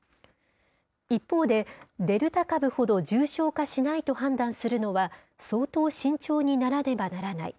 一方で、デルタ株ほど重症化しないと判断するのは、相当慎重にならねばならない。